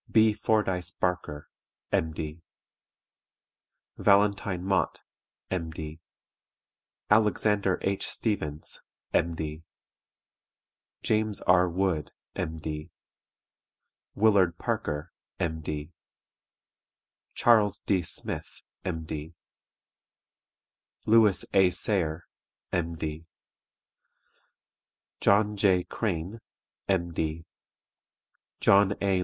D. B. FORDYCE BARKER, M.D. VALENTINE MOTT, M.D. ALEXANDER H. STEVENS, M.D. JAMES R. WOOD, M.D. WILLARD PARKER, M.D. CHARLES D. SMITH, M.D. LEWIS A. SAYRE, M.D. JOHN J. CRANE, M.D. JOHN A.